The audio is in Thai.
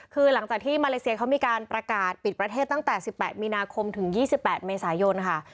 คือหลังจากที่มาเลเซียเขามีการประกาศปิดประเทศตั้งแต่๑๘มีนาคมถึง๒๘เมษายนค่ะ